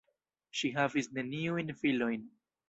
Ŝi havis neniujn filojn.